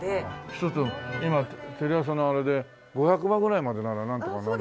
一つ今テレ朝のあれで５００万ぐらいまでならなんとかなる。